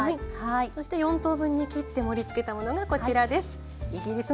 そして４等分に切って盛りつけたものがこちらです。